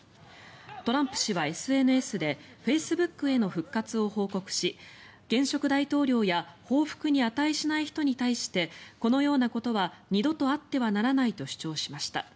トランプ氏は、ＳＮＳでフェイスブックへの復活を報告し現職大統領や報復に値しない人に対してこのようなことは二度とあってはならないと主張しました。